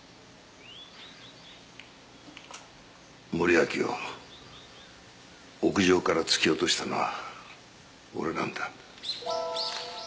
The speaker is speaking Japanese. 森脇を屋上から突き落としたのは俺なんだ。